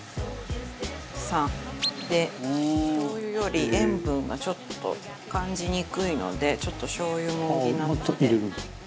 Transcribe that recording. ３。でしょう油より塩分がちょっと感じにくいのでちょっとしょう油も補って。